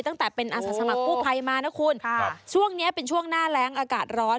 ตั้งแต่เป็นอาสาสมัครกู้ภัยมานะคุณค่ะช่วงนี้เป็นช่วงหน้าแรงอากาศร้อน